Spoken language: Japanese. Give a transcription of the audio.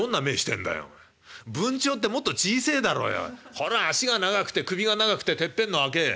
こらあ脚が長くて首が長くててっぺんの赤え